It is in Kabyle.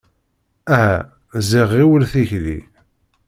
Aha ziɣ ɣiwel tikli.